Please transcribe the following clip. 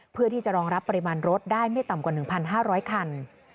เพื่อที่จะรองรับปริมาณรถได้ไม่ต่ำกว่า๑๕๐๐คัน